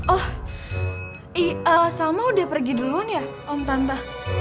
oh salma udah pergi duluan ya om tante